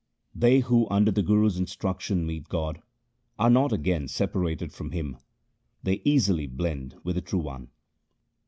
They who under the Guru's instruction meet God, are not again separated from Him ; they easily blend with the True One.